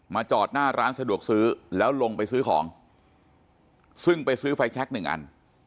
จอดหน้าร้านสะดวกซื้อแล้วลงไปซื้อของซึ่งไปซื้อไฟแช็คหนึ่งอัน